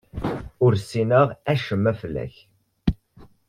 Ur ssineɣ acemma fell-ak.